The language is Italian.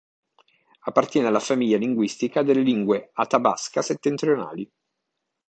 Appartiene alla famiglia linguistica delle lingue athabaska settentrionali.